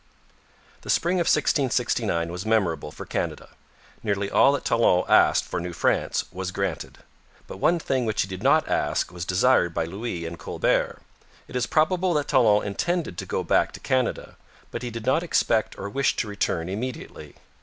The spring of 1669 was memorable for Canada. Nearly all that Talon asked for New France was granted. But one thing which he did not ask was desired by Louis and Colbert. It is probable that Talon intended to go back to Canada, but he did not expect or wish to return immediately.